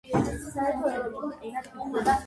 როცა დრო მოუვიდა, დასნეულდა და საჭურველი ახლოს დაიწყო.